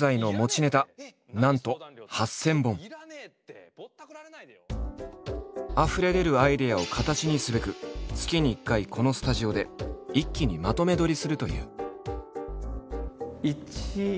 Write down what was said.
現在のあふれ出るアイデアを形にすべく月に１回このスタジオで一気にまとめ撮りするという。